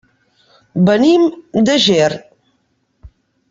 Venim de Ger.